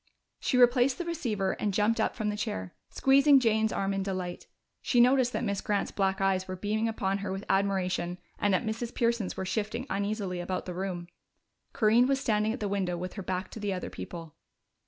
She replaced the receiver and jumped up from the chair, squeezing Jane's arm in delight. She noticed that Miss Grant's black eyes were beaming upon her with admiration and that Mrs. Pearson's were shifting uneasily about the room. Corinne was standing at the window with her back to the other people.